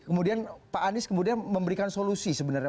kemudian pak anies kemudian memberikan solusi sebenarnya